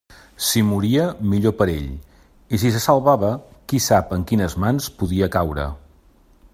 Si moria, millor per a ell; i si se salvava, qui sap en quines mans podia caure!